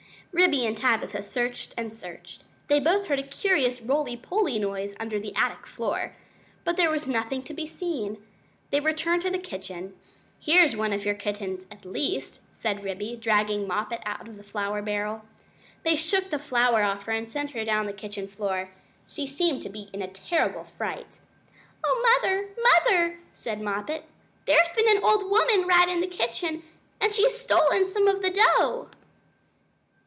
Ribby and Tabitha searched and searched. They both heard a curious roly poly noise under the attic floor. But there was nothing to be seen. They returned to the kitchen. "Here's one of your kittens at least," said Ribby, dragging Moppet out of the flour barrel. They shook the flour off her and set her down on the kitchen floor. She seemed to be in a terrible fright. "Oh! Mother, Mother," said Moppet, "there's been an old woman rat in the kitchen, and she's stolen some of the dough!"